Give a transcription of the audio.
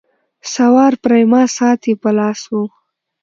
سوار پریما ساعت یې په لاس وو.